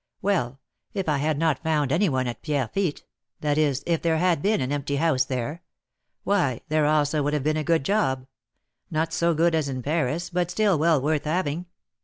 "Well, if I had not found any one at Pierrefitte, that is, if there had been an empty house there, why, there also would have been a good job; not so good as in Paris, but still well worth having.